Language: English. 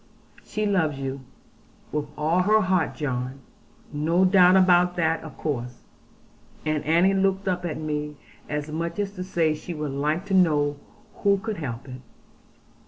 'She loves you, with all her heart, John. No doubt about that of course.' And Annie looked up at me, as much as to say she would like to know who could help it.